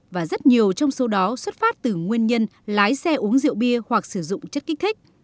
và rất nhiều trong số đó xuất phát từ nguyên nhân lái xe uống rượu bia hoặc sử dụng chất kích thích